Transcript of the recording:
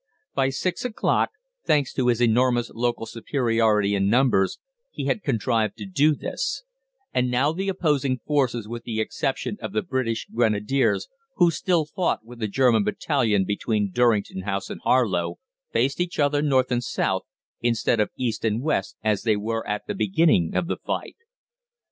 By six o'clock, thanks to his enormous local superiority in numbers, he had contrived to do this, and now the opposing forces with the exception of the British Grenadiers, who still fought with a German battalion between Durrington House and Harlow, faced each other north and south, instead of east and west, as they were at the beginning of the fight.